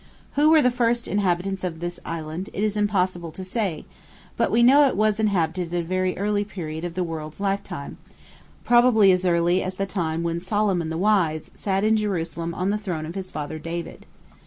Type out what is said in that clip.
Who were the first inhabitants of this Island, it is impossible to say, but we know it was inhabited at a very early period of the world's lifetime—probably as early as the time when Solomon the Wise, sat in Jerusalem on the throne of his father David.